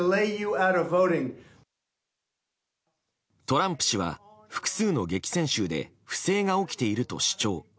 トランプ氏は複数の激戦州で不正が起きていると主張。